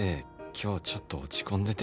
今日ちょっと落ち込んでて」